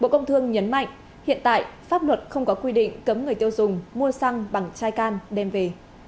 bộ công thương nhấn mạnh hiện tại pháp luật không có quy định cấm người tiêu dùng mua xăng bằng chai can đem về